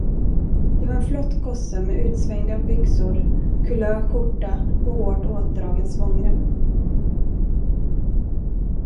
Det var en flott gosse med utsvängda byxor, kulört skjorta och hårt åtdragen svångrem.